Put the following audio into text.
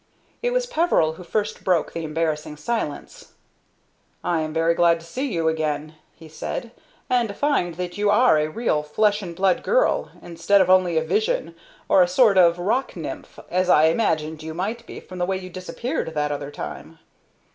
It was Peveril who first broke the embarrassing silence. "I am very glad to see you again," he said, "and to find that you are a real flesh and blood girl, instead of only a vision, or a sort of a rock nymph, as I imagined you might be from the way you disappeared that other time."